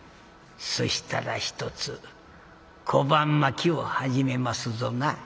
そしたらひとつ小判まきを始めますぞな。